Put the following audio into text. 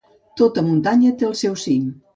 Tota muntanya té el seu cim.